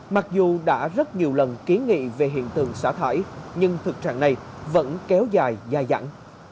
mặc dù đã rất nhiều lần kiến nghị về hiện tượng xả thải nhưng thực trạng này vẫn kéo dài dài dẳng